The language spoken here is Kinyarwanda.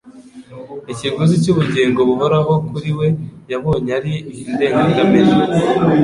Ikiguzi cy'ubugingo buhoraho kuri we yabonye ari indengakamere,